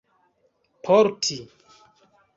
porti